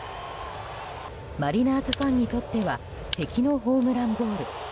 マリナーズファンにとっては敵のホームランボール。